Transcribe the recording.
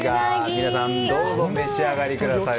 皆さんどうぞ召し上がりください。